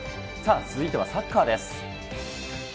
続いてはサッカーです。